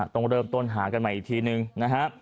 ต้องเริ่มต้นหากันใหม่อีกทีนึงนะฮะ